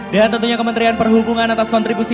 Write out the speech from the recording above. dan tentunya kementerian perhubungan atas kontribusi